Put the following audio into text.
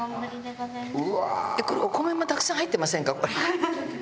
これお米もたくさん入ってませんか？